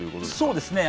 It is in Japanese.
そうですね。